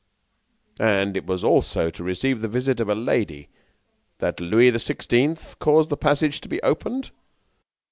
"And was it also to receive the visit of a lady that Louis the Sixteenth caused the passage to be opened?"